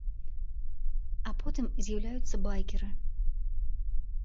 А потым з'яўляюцца байкеры.